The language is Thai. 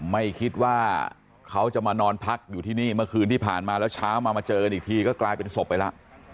ไม่คิดว่าเขาจะมานอนพักอยู่ที่นี่เมื่อคืนที่ผ่านมาแล้วเช้ามามาเจอกันอีกทีก็กลายเป็นศพไปแล้ว